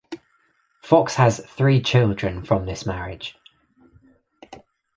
Fox has three children from this marriage.